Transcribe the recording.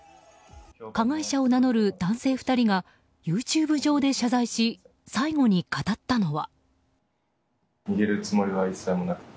加害者を名乗る男性２人がＹｏｕＴｕｂｅ上で謝罪し最後に語ったのは。